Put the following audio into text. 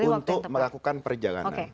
untuk melakukan perjalanan